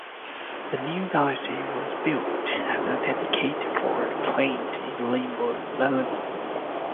The new Galaxy was built at a dedicated Ford plant in Limburg, Belgium.